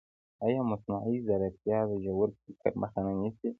ایا مصنوعي ځیرکتیا د ژور فکر مخه نه نیسي؟